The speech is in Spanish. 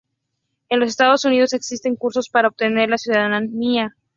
En los Estados Unidos existen cursos para obtener la ciudadanía.